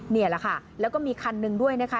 นี่แหละค่ะแล้วก็มีคันหนึ่งด้วยนะคะ